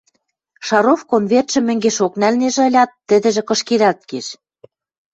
Шаров конвертшӹм мӹнгешок нӓлнежӹ ылят, тӹдӹжӹ кышкедӓлт кеш.